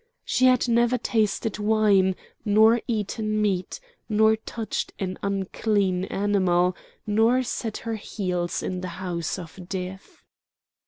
She had never tasted wine, nor eaten meat, nor touched an unclean animal, nor set her heels in the house of death.